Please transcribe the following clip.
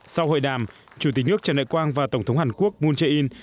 sau hội đàm chủ tịch nước trần đại quang và tổng thống hàn quốc moon jae in